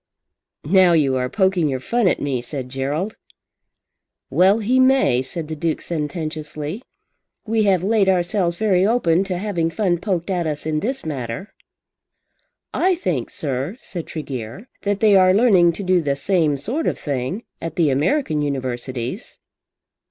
"Now you are poking your fun at me," said Gerald. "Well he may," said the Duke sententiously. "We have laid ourselves very open to having fun poked at us in this matter." "I think, sir," said Tregear, "that they are learning to do the same sort of thing at the American Universities."